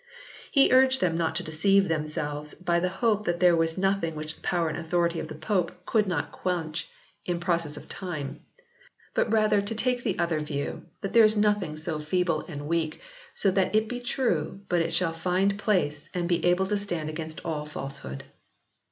He urged them not to deceive them selves by the hope that there was nothing which the power and authority of the pope could not iv] COVERDALE S BIBLE 59 quench in process of time, but rather to take the other view "that there is nothing so feeble and weak, so that it be true but it shall find place, and be able to stand against all falsehood."